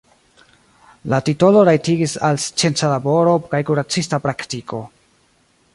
La titolo rajtigis al scienca laboro kaj kuracista praktiko.